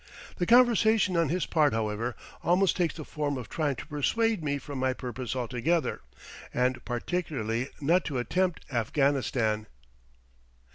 The conversation on his part, however, almost takes the form of trying to persuade me from my purpose altogether, and particularly not to attempt Afghanistan.